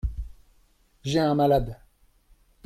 J’ai un malade.